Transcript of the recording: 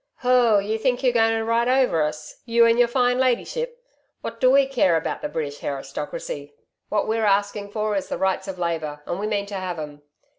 'Ho, you think you're going to ride over us! you and your fine ladyship! Wot do we care about the British hairystocracy. What we're asking for is the rights of labour, and we mean to have 'em.